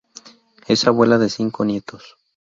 Es abuela de cinco nietos.